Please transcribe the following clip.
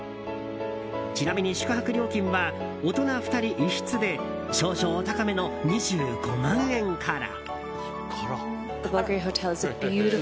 ちなみに宿泊料金は大人２人１室で少々お高めの２５万円から。